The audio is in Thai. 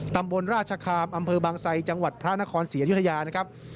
ตำบลราชคามอำเภอบางไซจังหวัดพระนครศรีอยุธยานะครับ